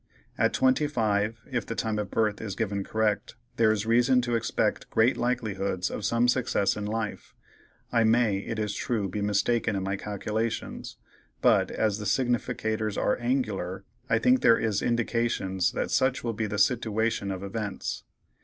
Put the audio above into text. At 25, if the time of birth is given correct, there is reason to expect great likelihoods of some success in life; I may, it is true, be mistaken in my calculations, but as the significators are angular, I think there is indications that such will be the sitiwation of events.